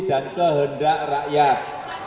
dan kehendak rakyat